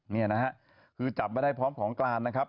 นี่นะฮะคือจับมาได้พร้อมของกลางนะครับ